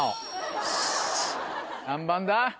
何番だ？